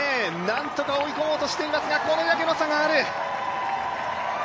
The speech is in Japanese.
なんとか追い込もうとしていますが、これだけの差がある。